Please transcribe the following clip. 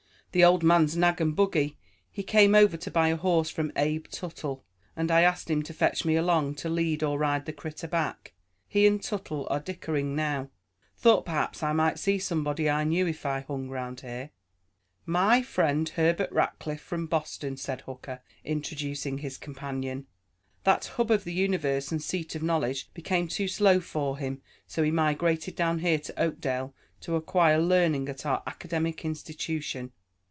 "The old man's nag and buggy. He came over to buy a horse from Abe Tuttle, and I asked him to fetch me along to lead or ride the critter back. He'n Tuttle are dickering now. Thought perhaps I might see somebody I knew if I hung 'round here." "My friend, Herbert Rackliff, from Boston," said Hooker, introducing his companion. "That hub of the universe and seat of knowledge became too slow for him, so he migrated down here to Oakdale to acquire learning at our academic institution."